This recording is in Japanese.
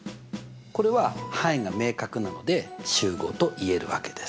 これは範囲が明確なので集合と言えるわけです。